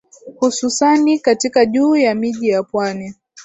Hususani katika juu ya miji ya pwani